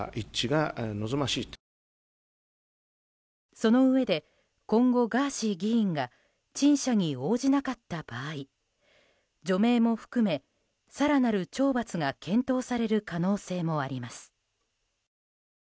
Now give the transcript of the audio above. そのうえで今後ガーシー議員が陳謝に応じなかった場合除名も含め更なる懲罰が検討される可能性もあります。